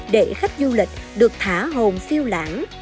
để khách du lịch được thả hồn phiêu lãng